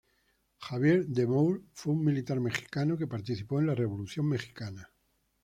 Javier De Moure fue un militar mexicano que participó en la Revolución mexicana.